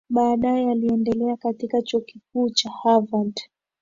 Baadae aliendelea katika chuo kikuu cha Harvard